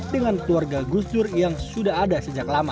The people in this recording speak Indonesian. dengan keluarga gusdur yang sudah ada sejak lama